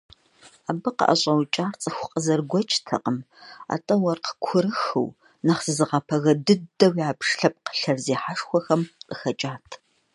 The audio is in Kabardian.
Абы къыӀэщӀэукӀар цӀыху къызэрыгуэкӀтэкъым, атӀэ уэркъ курыхыу, нэхъ зызыгъэпагэ дыдэу ябж лъэпкъ лъэрызехьэшхуэхэм къыхэкӀат.